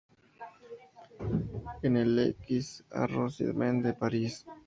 En el X arrondissement de París.